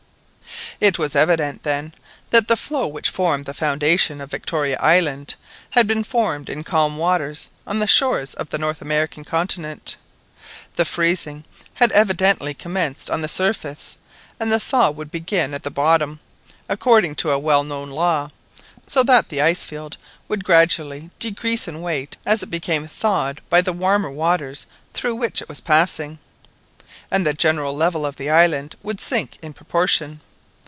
It was evident, then, that the floe which formed the foundation of Victoria Island had been formed in calm waters on the shores of the North American continent. The freezing had evidently commenced on the surface, and the thaw would begin at the bottom, according to a well known law; so that the ice field would gradually decrease in weight as it became thawed by the warmer waters through which it was passing, and the general level of the island would sink in proportion.